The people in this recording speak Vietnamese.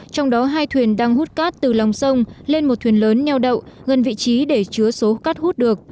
trong đó hai thuyền đang hút cát từ lòng sông lên một thuyền lớn neo đậu gần vị trí để chứa số cát hút được